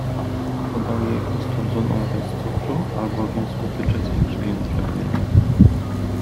Podał jej ostudzoną, bez cukru, albowiem słodycze zwiększają pragnienie.